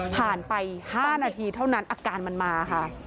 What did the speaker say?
ผ่านไป๕นาทีเท่านั้นอาการมันมาค่ะ